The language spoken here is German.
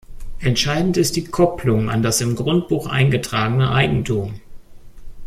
Entscheidend ist die Kopplung an das im Grundbuch eingetragene Eigentum.